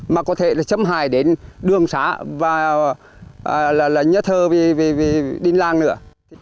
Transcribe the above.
mà có thể là chấm hài đến đường xã và là nhớ thơ về đinh lan nữa